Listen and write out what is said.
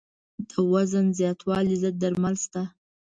د وزن زیاتوالي ضد درمل شته.